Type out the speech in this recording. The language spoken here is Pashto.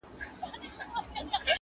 نه یې ختم تر مابین سول مجلسونه!